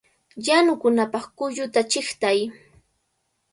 ¡Yanukunapaq kulluta chiqtay!